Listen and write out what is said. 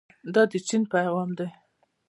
دا د چین پیغام دی.